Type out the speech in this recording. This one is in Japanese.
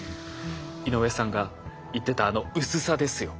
井上さんが言ってたあの薄さですよ。